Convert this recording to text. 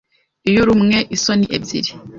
Iyo urumwe, isoni ebyiri.